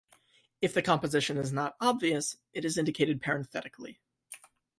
If the composition is not obvious, it is indicated parenthetically.